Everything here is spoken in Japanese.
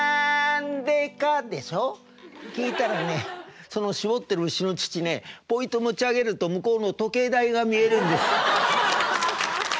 聞いたらねその搾ってる牛の乳ねポイと持ち上げると向こうの時計台が見えるんです。